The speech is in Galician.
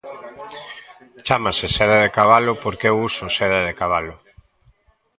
Chámase Seda de Cabalo porque eu uso seda de cabalo.